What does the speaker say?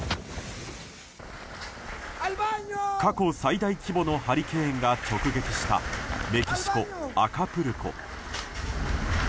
過去最大規模のハリケーンが直撃したメキシコ・アカプルコ。